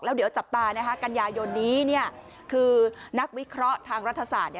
แล้วเดี๋ยวจับตากันยายนนี้คือนักวิเคราะห์ทางรัฐศาสตร์